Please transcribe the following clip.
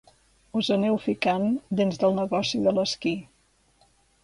Us aneu ficant dins del negoci de l'esquí.